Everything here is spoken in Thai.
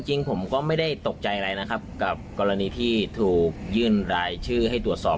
จริงผมก็ไม่ได้ตกใจอะไรนะครับกับกรณีที่ถูกยื่นรายชื่อให้ตรวจสอบ